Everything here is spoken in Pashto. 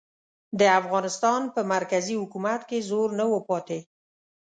د افغانستان په مرکزي حکومت کې زور نه و پاتې.